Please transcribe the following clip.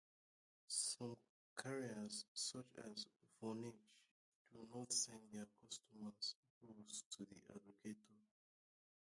Some carriers such as Vonage do not send their customer rolls to the aggregator.